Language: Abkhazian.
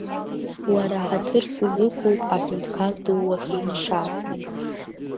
Уара ҳаҭыр сызуқәуп аҳәынҭқар ду уахьихшаз!